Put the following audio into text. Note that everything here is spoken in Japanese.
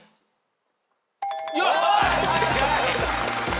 正解。